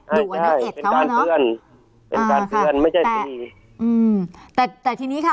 ไม่ใช่เป็นการเตือนเป็นการเตือนไม่ใช่ตีอืมแต่แต่ทีนี้ค่ะ